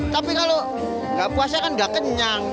tapi kalau tidak puasa tidak kenyang